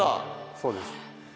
そうです。